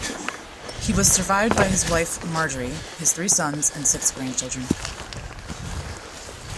He was survived by his wife, Marjorie, his three sons and six grandchildren.